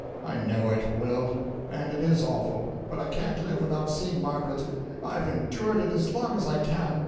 I know it, Will, and it is awful; but I can't live without seeing Margaret I've endured it as long as I can.